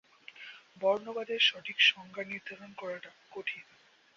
বর্ণবাদের সঠিক সংজ্ঞা নির্ধারণ করাটা কঠিন।